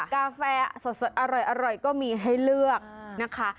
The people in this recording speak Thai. กาแฟสดอร่อยก็มีให้เลือกนะคะ